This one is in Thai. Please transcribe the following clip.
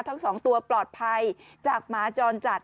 ทั้งสองตัวปลอดภัยจากหมาจรจัด